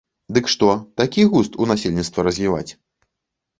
Дык што, такі густ у насельніцтва развіваць?